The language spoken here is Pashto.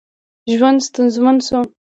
ژوند ستونزمن شو.